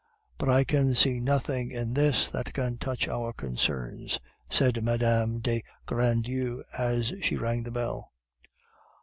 "But I can see nothing in this that can touch our concerns," said Mme. de Grandlieu, as she rang the bell.